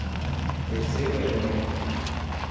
Terceiro elemento